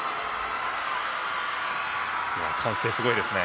歓声、すごいですね。